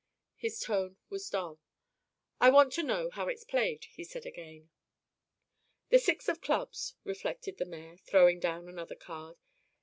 His tone was dull. "I want to know how it's played," he said again. "The six of clubs," reflected the mayor, throwing down another card.